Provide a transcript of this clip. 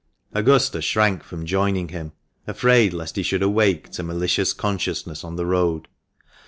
Augusta shrank from joining him, afraid lest he should awake to malicious consciousness on the road.